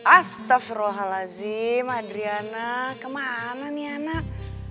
astaghfirullahaladzim adriana kemana nih anak